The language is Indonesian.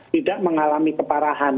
tidak mengalami keparahan